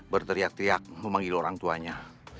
berteriak teriak memanggil orang tuanya